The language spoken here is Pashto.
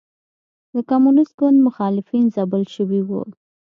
د کمونېست ګوند مخالفین ځپل شوي وو.